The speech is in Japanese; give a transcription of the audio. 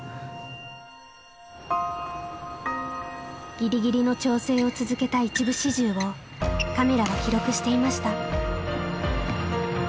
ギリギリの調整を続けた一部始終をカメラは記録していました。